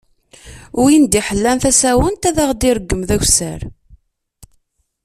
Win d-iḥellan tasawent ad ɣ-d-ireǧǧem d akessar.